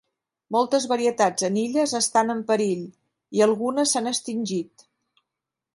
Moltes varietats en illes estan en perill i algunes s'han extingit.